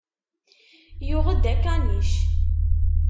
Yuɣ-d akanic.